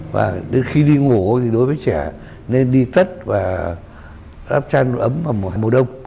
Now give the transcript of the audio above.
và khi đi ngủ thì đối với trẻ nên đi tất và lắp trang ấm vào mùa đông